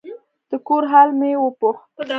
د کور حال مې وپوښت.